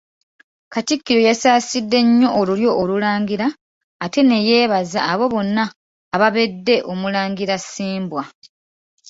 Katikkiro yasaasidde nnyo olulyo Olulangira ate neyeebaza abo bonna ababedde Omulangira Ssimbwa.